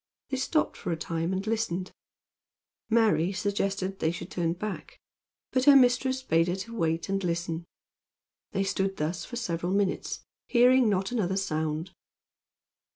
They stopped for a time and listened. Mary suggested that they should turn back; but her mistress bade her to wait and listen. They stood thus for several minutes, hearing not another sound.